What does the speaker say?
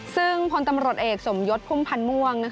ซึ่งพลตำรวจเอกสมยศพุ่มพันธ์ม่วง